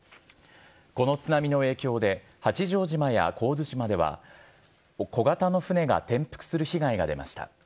この津波の影響で、八丈島や神津島では、小型の船が転覆する被害が出ました。